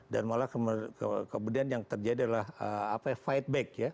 dan malah kemudian yang terjadi adalah fight back ya